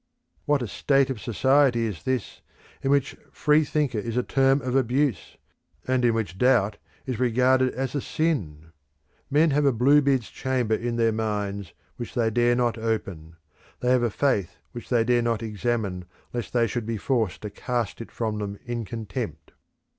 What a state of society is this in which "free thinker" is a term of abuse, and in which doubt is regarded as a sin! Men have a Bluebeard's chamber in their minds which they dare not open; they have a faith which they dare not examine lest they should be forced to cast it from them in contempt.